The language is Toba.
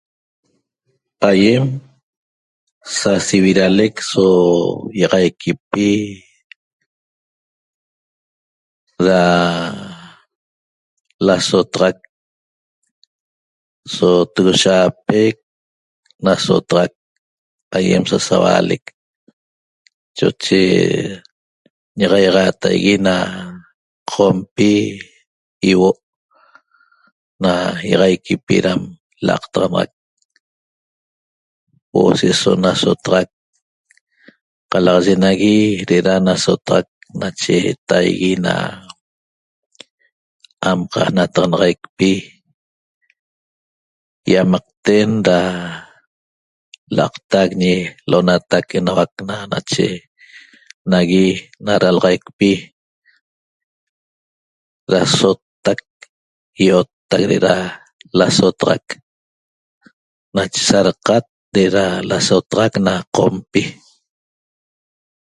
Aiem sasiviralec so iaxaiquipi da lasotaxac so togoshapec nasotaxac aiem sasaualec choche ñaxaiaxataigui na qompi ihuo' na iaxaiquipi ram la'aqtaxanaxac huo'o se'eso nasotaxac qalaxaye nagui re'era nasotaxac nache taigui na amqanataxanaxaicpi iamaqten da la'aqtac Ñi Enauacna nache nagui na ralaxaicpi rasottac io'ottac na lasotaxac nache sarqat re'era lasotaxac na qompi